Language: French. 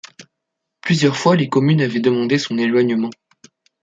Plusieurs fois, les Communes avaient demandé son éloignement.